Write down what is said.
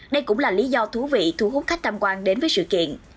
đây cũng là lý do thú vị thu hút khách tham quan đến với sự kiện